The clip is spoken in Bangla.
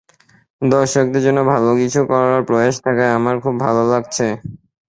দর্শকদের জন্য ভালো কিছু করার প্রয়াস থাকায় আমার খুব ভালো লাগছে।